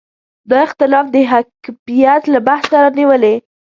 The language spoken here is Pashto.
دا اختلاف د حکمیت له بحثه رانیولې.